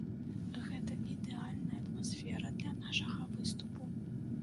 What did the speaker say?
Гэта ідэальная атмасфера для нашага выступу.